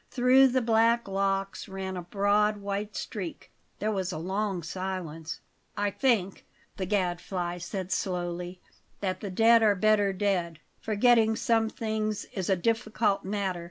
Through the black locks ran a broad white streak. There was a long silence. "I think," the Gadfly said slowly, "that the dead are better dead. Forgetting some things is a difficult matter.